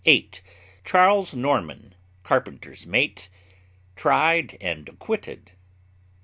CHARLES NORMAN, carpenter's mate } tried and acquitted.